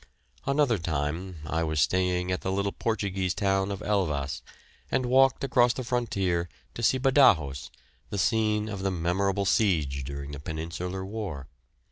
Another time, I was staying at the little Portuguese town of Elvas, and walked across the frontier to see Badajos, the scene of the memorable siege during the Peninsular war.